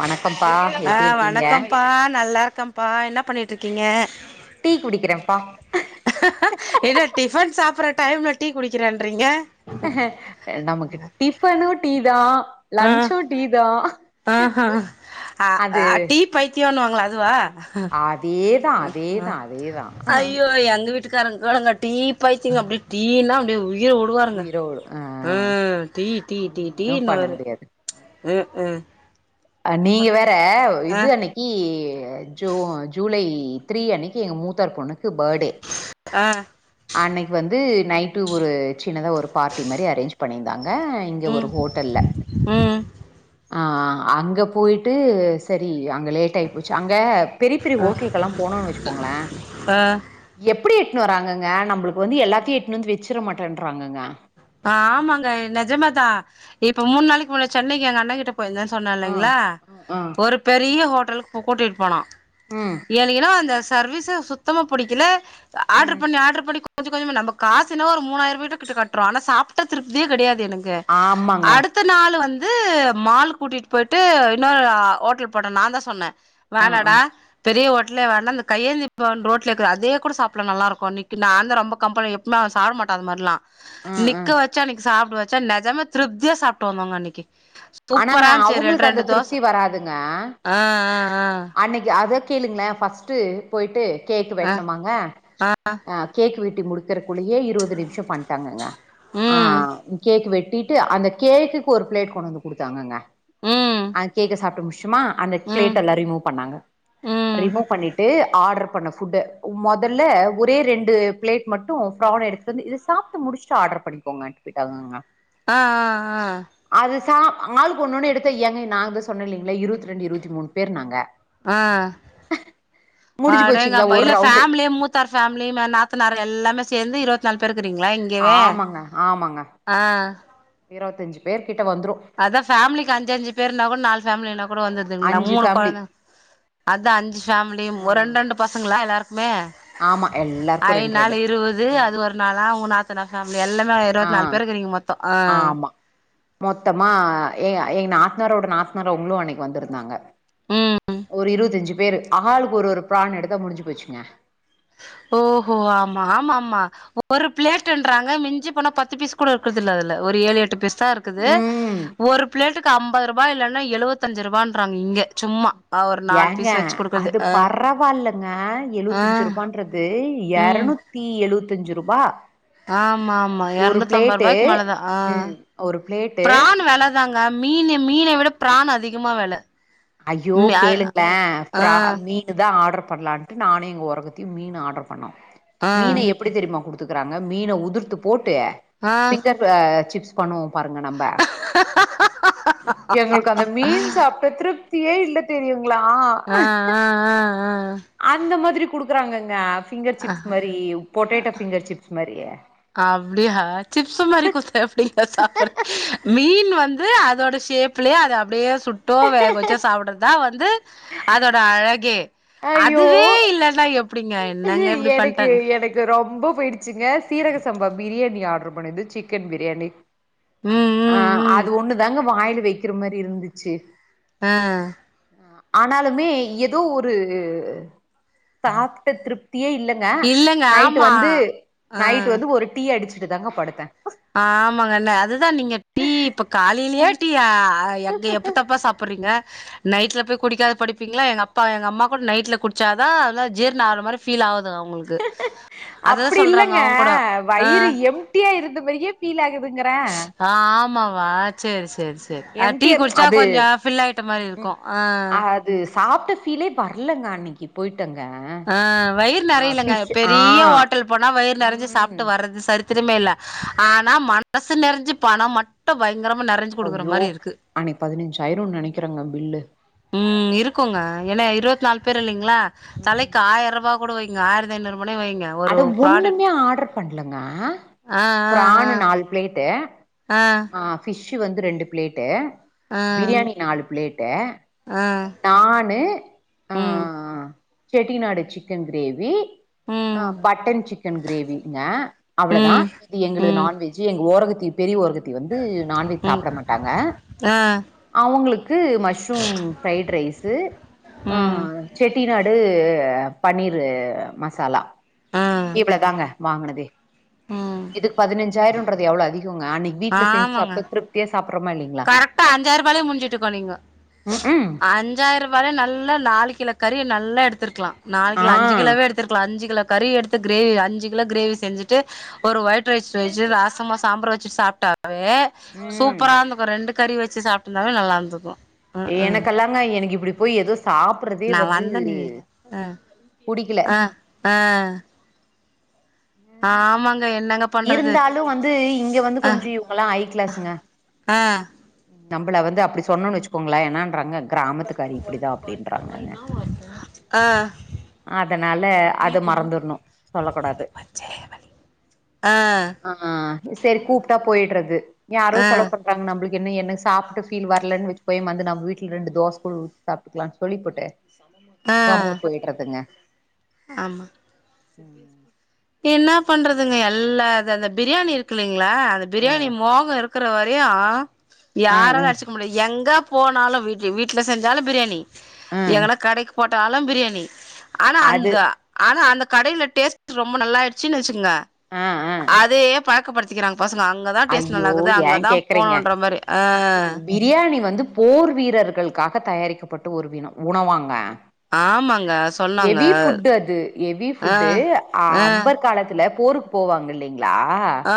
வணக்கம்ப்பா ஆ எப்டி இருக்கீங்க வணக்கம்ப்பா நல்லா இருக்கப்பா என்ன பண்ணிட்டு இருக்கீங்க டீ குடிக்கிறன்ப்பா டிபன் சாப்டுற டைம்ல டீ குடிக்கிறன்றீங்க நமக்கு டிஃபனு டீ தான் லன்ச்சு டீ தான் அ அ அ அ டீ பைத்தியோணுவாங்களே அதுவா அதேதா அதேதா அதேதா அய்யோ எங்க வீட்டு பிச்சகாரங்கள கேளுங்க டீ பைத்தீங்க அப்டி டீனா அப்டியே உயிர் உயிரை உடுவாங்க ஆ டீ டீ டீ ஒன்னு பண்ண டீனுவாரு முடியாது ம் ம் அ நீங்க அப்டிதா வேற ஆ இது அண்ணிக் த்ரீ ஜூ ஜூலை த்ரீ அன்னிக்கி எங்க மூத்தார் பொண்ணுக்கு பர்டே ஆ அன்னைக் வந்து நைட்டு ஒரு சின்னதா ஒரு பார்ட்டி மாரி அரேஞ்ச் பண்ணிந்தாங்க இங்க ம் ஒரு ஹோட்டல்ல ம் ஆ ஆ அங்க போயிட்டு செரி அங்க லேட் ஆயி போச்சு அங்க பெரி பெரிய ஹோட்டலுகல்லா போனோன் வெச்சுகோங்களே ஆ எப்டி எட்னு வராங்க அங்க நம்பளுக்கு வந்து எல்லாத்தையு எத்துனு வந்து வச்சிட மாட்டன்றாங்க க ஆமாங்க நெஜமாதா இப்ப மூண் நாளிக்கி முன்ன சென்னிக்கி எங்க அண்ணக் கிட்ட இப்போ ஆ, சொன்னலிங்களா ஆ, ஆ. ஒரு பெரிய ஹோட்டலுக்கு கூட்டிட்டு போனோ ம் எனுக்கினா அந்த சர்வீஸ்சு சுத்தமா புடிக்கில ஆர்டூர் ம். பண்ணி ஆர்டுர் பண்ணி கொஞ்ச கொஞ்சமா நம்ப காசுன்னவோ ஒரு மூணாயிரபா கிட்ட கட்டுறோ ஆனா சாப்ட திருப்தியே கடையாது எனக் க ஆமாங்க. அடுத் த்த நாள் வந்து மால் கூட்டிட்டு போயிட்டு இன்னொரு ஹோட்டல் போன நா தா சொன்ன ஆ, ஆ. வேணாடா பெரிய ஹோட்டலே வேணா அந்த கையேந்தி பவன் ரோட்லருக்கு அதே கூட சாப்புட்லா நல்லாருக்கு இன்க்கி நா அந்த ரொம்ப கம்பெனி ம்மா அவே சாப்பிட மாட்டா அது மாரிலா ம், நிக்க ம். வச்சா அன்னைக்கி சாப்பிட வெச்சா நிஜம்மா திருப்தியா சாப்ட்டு வந்தோங்க அன்னைக்கி ஆனாங்க அவங்களுக்கு அந்த திருப்தி வராதுங்க ஆ ஆ ஆ அன்னைக்கி அத கேளுங்களே ஃபஸ்ட்டு போயிட்டு கேக் ஆ வெட்டனுமாங்க ஆ ஆ அ கேக் வெட்டி முடிக்கறக்குள்ளயே இருபது நிமிஷோ பண்ட்டாங்கங்க ஆ ம் கேக் வெட்டி ட்டு அந்த கேக்குக்கு ஒரு பிளேட் கொண்டு வந்து குடுத்தாங்கங்க ம் அந்த கேக்க சாப்ட்டு முடிச் சம்மா அந்த ம் பிளேடெல்லா ரிமூவ் பண்ணாங்க ம் ரிமூவ் பண்ணிட்டு ட்டு ஆர்டர் பண்ண ஃபுட்டு மொதல்ல ஒரே ரெண்டு பிளேட் மட்டு பிரான் எடுத்து வந்து இது சாப்ட்டு முடிச்சுட்டு ஆர்டர் பண்ணிக்கோங்கன்னு போயிட்டாங்கங்க ஆ ஆ ஆ அது சா ஆளுக்கு ஒன்னு ஒன்னு எடுத்து ஏங்க நா வந்து சொன்ன இல்லைங்களா இருபத்தி ரெண்டு இருபத்தி மூணு பேரு நாங்க ஆ முடிஞ்சு போச்சுங்களா அடங்கப்பா ஒரு இல்ல ரவுண்டு ஃபேமிலிய முச் மூத்தார் பேமிலி ந நாத்தனார் எல்லாமே சேந்து இருவத்தி நாலு பேருக்குறீங்களா ஆமாங்க ஆமாங்க இருபத்தஞ்சு பேரு கிட்ட வந்துரு அதா ஃபேமலிக்கு அஞ்சஞ்சு பேருனா கூட நாலு ஃபேமலின்னா கூட வந்தருதுங்களா அஞ்சு மூனு ஃபேமிலி கொழந்த அதா அஞ்சு ஃபேமலியு ஒரு ம் ரெண்டு ரெண்டு பசங்களா எல்லாருக்குமே ஆமா ஐ எல்லாருக்கு ரெண்டு நால் ரெண்டு இருபது ம் அது ஒரு னாலா உங் நாத்தனார் ஃபேமிலி எல்லாமே ஆ இருவத்நாலு பேருயிருக்கிறீங்க மொத்தோ அ ஆமா மொத்தமா எங் எங்க நாத்னாரோட நாத்னாரு அவுங்களு அன்னைக்கி வந்துருந்தாங்க ம் ஒரு இருவத்தஞ்சு பேரு ஆளுக்கு ஒரு ஒரு பிரான் எடுத்தா முடிஞ்சு போச்சுங்க ஓ ஹோ ஆமாமா ஆமா ஒரு பிளேட்ன்றாங்க மிஞ்சி போனா பத்து பீஸ் கூட இருக்கரதுல்ல அதுல ஒரு ஏழு எட்டு பீஸ் தா இருக் குது ம் ஒரு பிளேட்டுக்கு ஐம்பது ரூபாய் இல்லன்னா எழுவத்தஞ்சு ரூபான்றாங்க இங்க சும்மா ஒரு நாலு ஏங்க பீஸ் வச்சு குடுக்குறது அது ஆ பரவாயில்லங்க ஆ எழுவத்தஞ்சு ரூபான்றது து ம் எரநூத்தி எழுவத்தஞ்சு ரூபா ஆமாமா ஒரு எரநூத்தி அம்பது பிளேட்டு ரூபாய்க்கி மேலதா ஆ ம் ஒரு பிளேட்டு பிரான் வெல தாங்க மீனு மீன விட பிரான் அதிகமா வெல அய்யோ ம் அ கேளுங்களே ஆ பிரான் மீன் க்கு தா ஆர்டர் பண்ணலான்ட்டு நானு எங்க ஓரகத்தியு மீன் ஆர்டர் பண்ணோ ஆ மீன எப் பிடி தெரியுமா குடுத்துக்கறாங்க மீன உதுர்த்து போட்டு ஆ பிங்கர் அ சிப்ஸ் பண்ணுவோ பாருங்க நம்ப எங்களுக்கு அந்த மீன் சாப்ட்ட திருப் தியே இல்ல தெரியுங்களா ஆ ஆ ஆ ஆ அந்த மாதிரி குடுக்குறாங்கங்க ஃபிங்கர் சிப்ஸ் மாரி பொட்டேட்டோ ஃபிங்கர் சிப்ஸ் மாரியே அப்டியா சிப்ஸ் மாரி குடுத்தா எப்டிங்க சாப்பிடுறது மீன் வந்து அதோட ஷேப்லேயே அத அப்டியே சுட்டோ வேக வச்சோ சாப்பிடறது தா வந்து அதோட அழகே ஐயோ அதுவே இல்லன்னா எப்டிங்க என்னங்க இப்டி எனக்கு பண்ட்டாங்க எனக் இங்க ரொம்ப போயிடுச்சுங்க சீரக சம்பா பிரியாணி ஆர்டரு பண்ணிருது சிக்கன் பிரியாணி ம் ஆ ம் ம் அது ஒண்ணுதாங்க வாயில வைக்கிற மாதிரி இருந்துச்சு ஆ அ ஆனாலுமே ஏதோ ஒரு சாக் ட திருப்தியே இல்லங்க இல்லங்க நைட் ஆமா வந்து ஆ நைட் வந்து ஒரு டீ அடிச்சுட்டு தாங்க படுத்த ஆமாங்கண்ண அதுதா நீங்க டீ இப்ப காலையிலயே டீயா அ எங்க எப்பு தப்பா சாப்பிடுறீங்க நைட்ல போய் குடிக்காத படிப்பீங்களா எங்க அப்பா எங்க அம்மா கூட நைட்ல குடிச்சாதா அதுலா ஜீர்னோ ஆகுர மாரி ஃபீல் ஆகுதுங்க அப்டி இல்லங்க அவங்க கூட ஆ வய்ரு எம்டி ட்டியா இருந்த மாரியே ஃபீல் ஆகுதுங்றே ஆ ஆமாவா சேரி சேரி சே டீ எம்டியா குடிச்சா அது கொஞ்சோ ஃபில் ஆயிட்ட மாரி இருக்கு ஆ அது சாப்ட்ட ஃபீலே வர்லங்க அன்னக்கி ஆ வயிறு நெறையலங்க ஃபிஷ் ஆ பெரிய ஹோட்டல் போனா வயிறு நெறைஞ்சு சாப்ட்டு ம் வர்றது செரி சரித்திரமே இல்ல ஆனா மனசு நெறஞ்சு பணோ மட்டு பயங்கரமா நெறஞ்சு அய்யோ அன்னைக்கு பதினஞ்சாயிருனோ நெனக்கிறேங்க பில்லு ம் இருக்குங்க ஏன்னா இருவத்தி நாலு பேர் இல்லேங்களா தலைக் ம்ம் ஆயிர ரூபா கூட வைங்க ஆயிரத்தி ஐநூருபானே வைங்க ஒரு அட ப்ராடக்ட் ஒண்ணுமே ஆடர் பண்லங்க ஆ ஆ ப்ரானு நாலு பிளேட்டு ஆ ஆ ஃபிஷ் வந்து ரெண்டு பிளேட்டு ஆ பிரியாணி ஆ நாலு பிளேட்டு ஆ நானு அ ம் செட்டிநாடு சிக்கன் கிரேவி அ ம் பட்டன் சிக்கன் கிரேவிங்க அவ்ளதா ம் இது எங்களது ம் நான்வெஜ்ஜு எங்க ஒரவத்தி பெரிய ஓரவத்தி வந்து நான்வெஜ் ம் சாப்ட மாட்டாங்க ஆ அவங்களு க்கு மஷ்ரூம் ஃப்ரைட் ரைஸு ஆ ம் செட்டிநாடு பன்னீரு மசாலா ஆ இவ்ளதாங்க வாங்கினதே ம் இதுக்கு பதினஞ்சாய்ரோன்றது எவ்ளோ அதிகங்க அன்க்கு வீட்ல செஞ்சு ஆமாங்க சாப்ட்டா திருப்தியா சாப்பறோமா இல்லைங்களா கரெக்டா அஞ்சாயிர ரூபாலே முடிஞ்சுட்டுக்கோ நீங்க ம் ம் அஞ்சாயிர ரூபால நல்ல நாலு கிலோ கறிய நல்லா எடுத்திருக்கலா நாலு ஆ கிலோ அஞ்சு கிலோவே எடுத்திருக்கலா அஞ்சு கிலோ கறி எடுத்து கிரேவி அஞ்சு கிலோ கிரேவி செஞ்சுட்டு ஒரு ஒயிட் ரைஸ் வச்சு ரசமோ சாம்பாரோ வச்சுட்டு சாப் ட்டாவே ம் சூப்பரா இருந்துக்கு ரெண்டு கறி வச்சு சாப்ட்ருந்தாலு நல்லா இருந்துருக்கு எனக்கெல்லாங்க எனக்கு இப்டி போய் ஏதோ சாப் நா வந்த நீ ஆ புடிக்கல ஆ ஆ ஆமாங் இருந்தாலு வந்து இங்க வந்து ஆ கொஞ்சோ இவங்கல்லா ஐ கிளாஸுங்க ஆ நம்மள வந்து அப்டி சொன்னோனு வச்சுக்கோங்களே என்னன்றாங்க கிராமத்துக்காரி இப்டிதா அப்டின்றாங்கங்க அதனால அது மறந்துட்ணு சொல்ல கூடாது ஆ ஆ சேரி கூப்ட்டா போய்டுறது யாரோ ஆ செலவு பண்றாங்க நம்பளுக் என்ன எனக்கு சாப்ட்ட ஃபீல் வரலன்னு வச்சுகோயே வந்து நம் வீட்ல ரெண்டு தோச குழுவு சாப்ட்டுக்கலான்னு சொல்லி போட்டு ஆ விட்றதுங்க ஆமா என்ன பண்றதுங்க எல்லா இது அந்த பிரியாணி இருக்கு இல்லேங்களா அந்த ஆ பிரியாணி மோகோ இரு க்குற வரையு ஆ ஆ யாராலு அடிச்சுக்க முடியா எங்க போனாலு வீட்டு வீட்ல செஞ்சாலு பிரியாணி ஆ எங்கனா கடைக்கு போட்டாலு பிரியாணி ஆனா அது அந்த ஆனா அந்த கடைல டேஸ்ட்டு ரொம்ப நல்லாயிடுச்சுனு வச்சுக்குங்க ஆ ஆ அதயே பழக்கப்படுத் திகிறாங்க பசங்க அங்கதா டேஸ்ட் ஐயோ நல்லாகுது ஏன் அங்கதா கேக்குறீங்க போனுன்ற மாரி ஆ ம். ம். பிரியாணி வந்து போர் வீரர்களுக்காக தயாரிக்கப்பட்ட ஒரு வீனொ உணவாங்க ஆமாங்க சொன்னாங்க எவி ஃபுட் அது எவி ஆ ஃபுட்டு ஆ அக்பர் காலத்துல போருக் போவாங்க இல்லைங்களா ஆ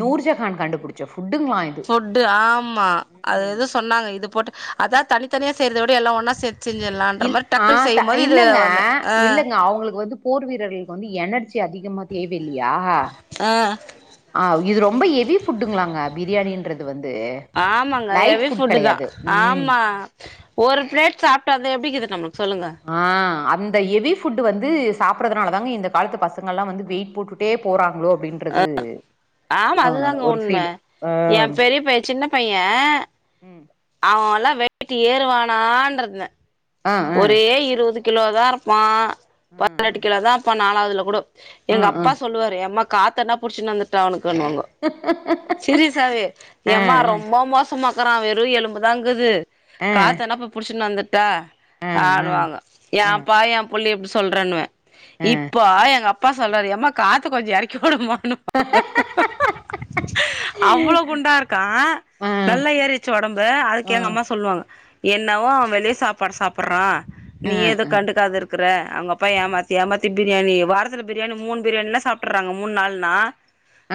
நூர்ஜகான் கண்டுபுடிச்ச ஃபுட்டுங்களா இது ஃபுட்டு ஆமா அது ம் எது சொன்னாங்க இது போட்டு அதா தனித்தனியா செய்றத விட எல்லா ஒன்னா சேத் இல் ஆ த இல்லங்க வந்து ஆ இல்லங்க அவுங்களுக்கு வந்து போர் வீரர்களுக்கு வந்து எனர்ஜி அதிகமா தேவ இல்லையா ஆ ஆ இது ரொம்ப எவி ஃபுட்டுங்களாங்க பிரியாணின்றது வந்து ஆமாங்க லைட் ஹெவி ஃபுட் தா கெடையாது ம் ஆமா ஒரு பிளேட் சாப்டாலே எப்டிக்கீது நம்மளுக்கு சொல்லுங்க ஆ அந்த எவி ஃபுட்டு வந்து சாப்புடுறதுனால தாங்க இந்த காலத்து பசங்க எல்லா வந்து வெயிட் போட்டு ட்டே போறாங்களோ அப்டின்றது ஆமா ஆ அது தாங்க ஒரு உண்ம ஃபீல் ஆ எ பெரிய பைய சின்ன பையன் ம் அவோல்லா வெயிட்டு ஏறுவானான்றிதுந்தே ஆ ஆ ஒரே இருவது கிலோ தா இருப்பா ஆ பதினெட்டு கிலோ தா இப்பா நாலாவதுல கூடோ எங்க ஆ ஆ அப்பா சொல்லுவாரு எம்மா காத்தனா புடிச்சுன்னு வந்துட்டா அவனுக்குண்ணுவாங்க ஹ ஹ ஹ சீரியஸாவே ஏம்மா ரொம்ப மோசமாக்கறா வெறு எலும்புதாங்குது ஆ காத்த என்னாப்ப புடிச்சுன்னு வந்துட்டா ஆ ஆடுவாங்க எ அப்பா என் புள்ளய இப்டி சொல்றன்னுவே ஆ ஆ இப்ப எங்க அப்பா சொல்றாரு யம்மா காத்து கொஞ்ச இறக்கி வுடுமானு அவ்வளோ குண்டா இருக்கா ஆ ஆ நல்லா ஏறிருச்சு ஒடம்பு ஆ அதுக்கு எங்க அம்மா சொல்லுவாங்க என்னவோ அவன் வெளிய சாப்பாடு சாப்பிடுறா ஆ நீ ஏதோ ஆ கண்டுக்காத இருக் க்குற அவுங்க அப்பா ஏமாத்தி ஏமாத்தி பிரியாணி வாரத்துல பிரியாணி மூணு பிரியாணினா சாப்ட்றாங்க மூணு நாள்னா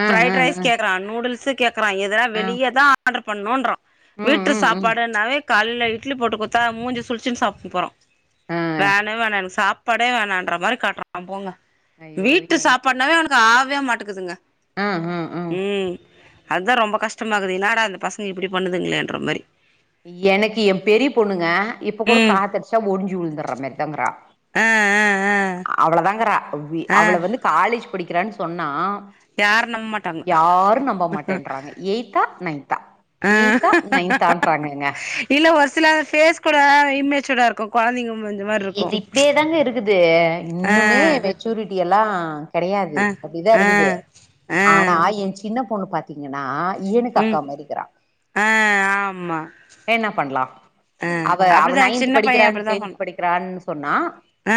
ஆ ஆ ஃபிரைட் ரைஸ் ஆ கேக்குறா நூடுல்ஸ்சு கேக்குறா எதல்லா ஆ வெளியதா ஆர்டர் பண்ணுன்றா ம் வீட்டு ம் ம் சாப்பாடுனாவே காலையில இட்லி போட்டு குத்தா மூஞ்ச சுளிச்சினு சாப்டு போறா ஆ வேணு வேணானு சாப்பாடே வேணான்ற மாரி காட்றா போங்க ஐயோ வீட்டு எ சாப்பாடுனாவே அவனுக்கு ஆவே மாட்டேக்கிதுங்க ம் ம் ம் அதுதா ரொம்ப கஷ்டமாகுது இன்னடா இந்த பசங்க இப்டி பண்ணுதுங்களேன்ற மாரி எனக்கு எ பெரிய பொண்ணுங்க இப்ப கூட ம் காத்தடிச்சா ஒடுஞ்சு உழுந்துற மாரிதாங்கறா ஆ ஆ ஆ அவ்ளதாங்கிறா ஆ அவள வந்து காலேஜ் படிக்கிறானு சொன்னா யாரு நம்ப மாட்டாங்க யாரு நம்ப மாட்டேன்றாங்க எய்த்தா நய்ன்தா ஆ எய்த்தா நைன்த்தான்றாங்கங்க இல்ல ஒரு சில ஃபேஸ் கூட இம்மெச்சூடா இருக்கு கொழந்தெங்க மூஞ்சு மாரி இருக்கு இது இப்டியே தாங்க இருக்குது ஆ இன்னுமே மெச்சூரிட்டி எல்லா கெடையாது ஆ அப்டிதா ஆ இருக்குது ஆ ஆனா எ சின்ன பொண்ணு பாத்திங்கன்னா எனுக்கு அக்கா ம் மாரி இக்குறா ஆ ஆமா என்ன பண்லா ஆ அவ அவ அப்டிதா நைன்த்து சின்ன படிக்கிறா பைய டென்த் படி க்கிறான்னு சொன்னா அ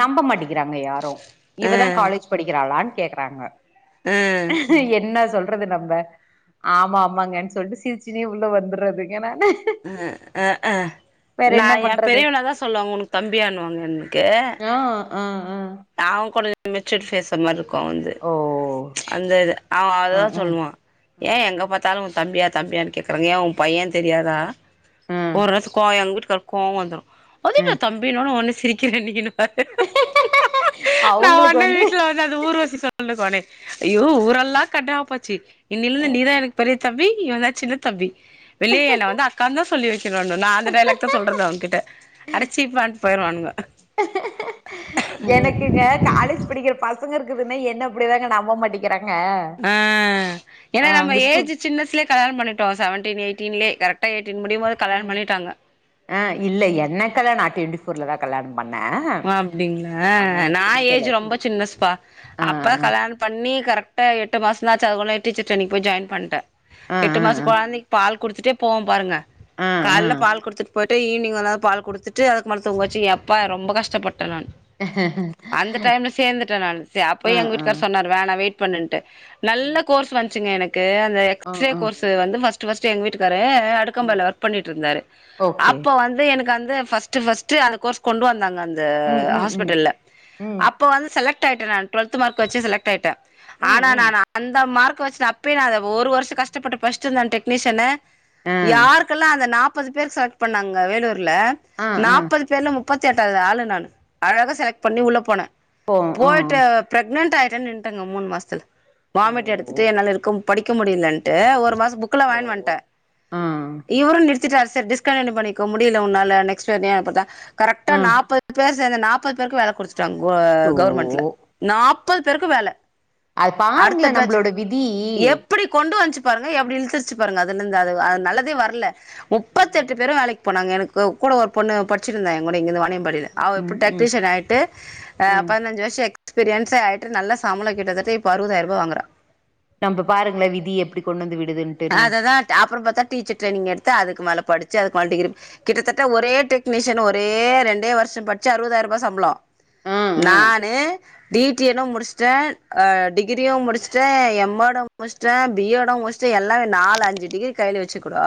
நம்ப மாட்டெங்கிறாங்க யாரு இவதா காலேஜ் படிக்கிறாளான்னு கேக்குறாங்க ஆ என்ன சொல் றது நம்ம ஆமா ஆமாங்கன்னு சொல்ட்டு சிரிச்சுனே உள்ள வந்துறது ஏனா நா என்ன எ பண்றது பெரியவன தா சொல்லுவாங்க உனக்கு தம்பியானு வாங்க என்க்கு அ அ அ ஆவெ கொட [inaudible] மெச்சூடு ஃபேஸ் மாரி இருக்கு அவன்து ஓ அந்த இது அவ ஆ அதுதா ஆ ஆ சொல்லுவா ஏ எங்க பாத்தாலு உங் தம்பியா தம்பியானு கேக்குறாங்க ஏ ஒ பையெ தெரியாதா ஆ [unintelligible] வீட்டுக்காருக் கோவொ வந்துரு அதென்ன அ தம்பினோன ஒன்னே சிரிக்கிர இன்னக்கினு பாத்து நா ஒன்னே வீட்டுல வந்து அது ஊர்வசி [unintelligible] ஐயோ ஊரல்லா கண்ணா போச்சு இன்னிலிந்து நீ தா எனக்கு பெரிய தப்பி இவெதா சின்னத் தம்பி வெளிய என்ன வந்து அக்காந்தா சொல்லி வெக்கனுனு நா அந்த டைலாக் தா சொல்றது அவங்கிட்ட அடச் சீப்பா ன்ட்டு போயிருவானுங்க எனக்குங்க காலேஜ் படிக்கிற பசங்க இருக்குதுன்னா என்ன அப்டிதாங்க நம்ப மாட்டிங் கிறாங்க ஆ ஏன்னா நம்ம ஏஜ்ஜு சின்னசிலே கல்யணம் பண்ணிட்டோ செவென்டின் எயிட்டின்லே கரெக்டா எயிட்டீன் முடியும்போது ஸ்கூல் கல்யாணம் பண்ணிட்டாங்க ஆ இல்ல என்னக்கல்லா நா டுவெண்டி ஃபோர்ல தா கல்யாணம் பண்ணே அ அப்டிங்ளா ஆ நா டுவெண்ட்டி ஃபோர்ல ஏஜ் ரொம்ப சின்னஸ்ப்பா ஆ அப்ப கல்யாணம் பண்ணி கரெக்டா எட்டு மாசந்தா ஆச்சு அதுக்குள்ள டீச்சர் ட்ரெய்னிங் போய் ஜாய்ன் பண்ட்டே ஆ ஆ எட்டு மாச ஆ கொழந்தைக் பால் குடுத்துட்டே போவோ பாருங்க ஆ ஆ கால்ல பால் குடுத்துட் போயிட்டு ஈவினிங் கொஞ் நேர் பால் குடுத்துட்டு அதுக்கு மேல தூங்க வச்சி எப்பா ரொம்ப கஷ்டப்பட்டே நானு அந்த டைம்ல சேந்துட்டே நானு ஆ அப்பயே ஆ எங்க ஆ வீட்டுக்கார் சொன்னார் வேனா வெயிட் பண்ணுன்ட்டு நல்ல ம் கோர்ஸ் வந்ச்சுங்க எனக்கு அந்த ஆ எக்ஸ் ரே ஆ கோர்ஸ் வந்து ஃபஸ்ட் ஃபஸ்ட்டு எங்க வீட்டுக்காரு அடுத் ஆ [unintelligible] ஒர்க் பண்ணிட் இருந்தாரு ஓகே அப்ப வந்து எனக்கு வந்து ஃபஸ்ட்டு ஃபஸ்ட்டு அந்த கோர்ஸ் கொண்டு வந்தாங்க அந் த ம் ம் ம் ஹாஸ்பிட்டல்ல ம் அப் ப வந்து செலக்ட் ஆயிட்டே நானு டுவெல்த் மார்க்க வச்சு செலக்ட் ஆயிட்டே ம் ஆனா ம் நானு அந்த மார்க் வெச்சு அப்பே நா ஒரு வர்ஷொ கஷ்டப்பட்டு பட்ச்ட் இருந்தே டெக்னீஷியனு ஆ யாருக்கெல்லா அந்த நாப் பது பேர் செலக்ட் பண்ணாங்க வேலூர்ல ஆ ஆ நாப்பது பேர்ல முப்பத்தெட்டாவது ஆளு நானு அழகா செலக்ட் பண்ணி உள்ள போனே போ ஆ போய்ட்டு பிரக்னன்ட் ஆயிட்டன் நின்டங்க மூனு மாசத்துல ஓ வாமிட் எடுத்துட்டு என்னால இருக்க படிக்க முடியலன்ட்டு ஒரு மாச புக்கல்லா சோ வாங்கின் வன்ட்டே ஆ இவரு நிர்த்திட்டார் செரி டிஸ்கண்டினிவ் பண்ணிக்கோ முடியல உன்னால நெக்ஸ்ட் [unintelligible] கரெக்டா ஆ நாப்பது பேர் சேந்த நாப்பது பேருக்கு வேல குடுத்துட்டாங்க கோ சோ கவுர்மெண்ட்ல நாப்பது பேருக்கு வேல அது அடுத்த பாருங்களே பேட்ச் நம்பளோட விதி எப்டி கொண்டு வச்சு பாருங்க எப்டி இழுத்துச்சு பாருங்க அதுல இருந்து அ நல்லதே ம் வரல முப்பத்தி எட்டு ம் பேரு வேலைக்கு போனாங்க எனக்கு கூட ஒரு பொண்ணு படிச்சிருந்தா எ கூட இந்த வாணிய பாடியில ம் அவ இப்ப ம் ம் டெக்னிஷியன் ஆயிட்டு ஆ ம் பதினஞ்ச வருஷோ எஸ்பிரியன்ஸ் ஆயிட்டு நல்ல சபம்பளோ கிட்டதட்ட இப்ப அறுபதாயிரோ ரூவா வாங்குறா நம்ப பாருங்ளா விதி எப்டி கொண்டு வந்து விடுதுன்னு அததா அப்றோ பாத்தா டீச்சர் ட்ரைனி்ங் எடுத்து அதுக்கு மேல படிச்சி அதுக்கு மேல டிகிரி கிட்டத்திட்ட ஒரே டெக்னீஷியன் ஒரே ரெண்டே வருஷோ படிச்சு அறுபதாயிரோ ரூபா சம்பளோ ஆ ஆ நானு டி டி எடு முடிச்சட்டே டிகிரியு முடிச்சட்டே எம் ஏடு முடிச்சட்டே பி எடு முடிச் ச்சு எல்லா நாலு அஞ்சு டிகிரி கையில வச்சு கூடோ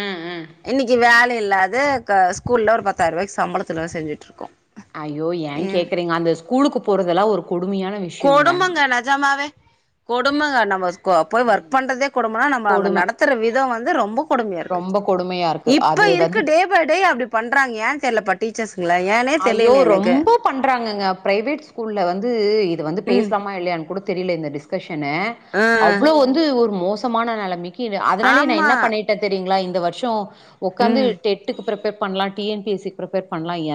அ அ இன்னக்கி வேல இல்லாது க ஸ்கூல்ல ஒரு பத்தாயிரூபாக் சம்பளத்துல வேல் செஞ்சுட் இருக்கோ ஐயோ ஏ கேக்குறீங்க அந்த ஸ்கூலுக்கு போறதெல்லா ஒரு கொடுமையான விஷி கொடுமங்க நெஜமாவே கொடுமங்க நம்ப போ போய் ஒர்க் ம் பண்றதே கொடுபனா நம்ம அங்க கொடும நடத்துற விதோ வந்து ரொம்பக் கொடுமையா இருக்கு ரொம்ப கொடுமையா இருக்கு இப்ப அது இருக்கு வந்து டே டே பை டே அப்டி பண்றாங்க ஏ தெரியலப்பா டீச்சர்ஸுங்கள ஏனே ஐயோ தெரில்லிங்க எனக்கு ரொம்ப பண்றாங்கங்க பிரைவேட் ஸ்கூல்ல வந்து இது வந்து ம் பேசலாமா இல்லையன்னு கூட தெரியல இந்த டிஸ் கெஸ்ஷனு ஆ அவ்ளோ வந்து ஒரு மோசமான நிலைமைக்கு அதனாலயே நா ஆமா என்ன பண்ணி தெரியுங்களா இந்த வருஷம் உக்காந்து ம் டெ ட்டுக்கு பிப்பேர் பண்ணலா T N P C prepare பண்ணலா ஏ